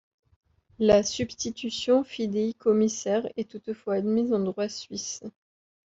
La substitution fidéicommissaire est toutefois admise en droit suisse.